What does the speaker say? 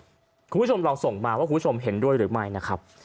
คุณผู้ชมลองส่งมาว่าคุณผู้ชมเห็นด้วยหรือไม่นะครับ